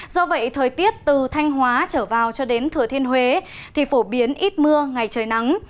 do vậy thời tiết từ thanh hóa trở vào cho đến thừa thiên huế thì phổ biến ít mưa ngày trời nắng